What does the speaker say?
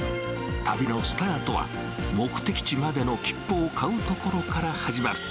旅のスタートは、目的地までの切符を買うところから始まる。